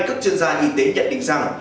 các chuyên gia y tế nhận định rằng